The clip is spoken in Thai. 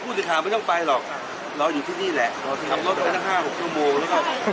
ผมไม่ได้ขางที่นั่นอย่างนั้นครับต้องกลับบ้านครับ